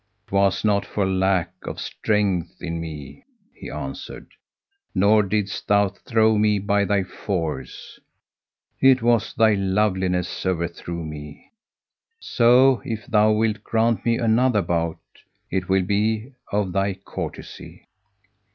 "'Twas not for lack of strength in me," he answered; "nor didst thou throw me by thy force; it was thy loveliness overthrew me; so if thou wilt grant me another bout, it will be of thy courtesy."